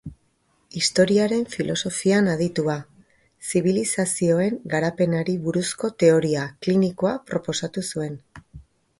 Historiaren filosofian aditua, zibilizazioen garapenari buruzko teoria klinikoa proposatu zuen.